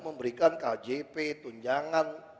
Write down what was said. memberikan kjp tunjangan